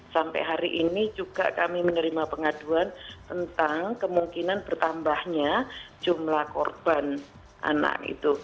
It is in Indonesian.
sampai hari ini juga kami menerima pengaduan tentang kemungkinan bertambahnya jumlah korban anak